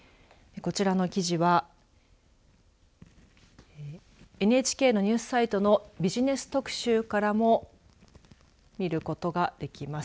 こちらの記事はＮＨＫのニュースサイトのビジネス特集からも見ることができます。